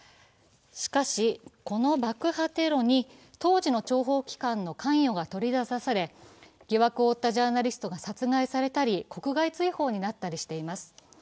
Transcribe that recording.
しかし、この爆破テロに当時の諜報機関の関与が取りざたされ、疑惑を追ったジャーナリストが殺害されたり国外追放になっています。